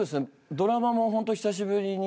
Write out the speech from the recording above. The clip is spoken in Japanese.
ドラマもほんと久しぶりに。